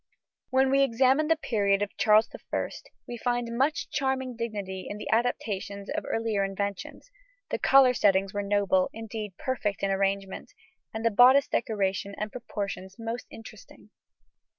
When we examine the period of Charles I, we find much charming dignity in the adaptations of earlier inventions; the collar settings were noble, indeed perfect, in arrangement, and the bodice decoration and proportions most interesting.